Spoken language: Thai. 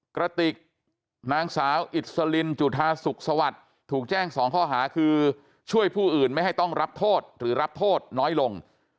กระติกนางสาวอิสลินจุธาสุขสวัสดิ์ถูกแจ้ง๒ข้อหาคือช่วยผู้อื่นไม่ให้ต้องรับโทษหรือรับโทษน้อยลง